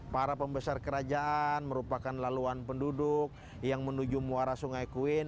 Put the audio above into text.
para pembesar kerajaan merupakan laluan penduduk yang menuju muara sungai queen